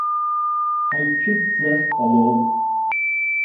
Ҳаицәыӡӡар ҟалон.